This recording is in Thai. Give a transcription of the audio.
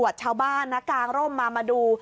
ชาวบ้านกางโรมมาดู